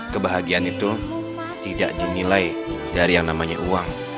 kebahagiaan itu tidak dinilai dari yang namanya uang